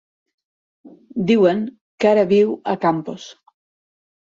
Diuen que ara viu a Campos.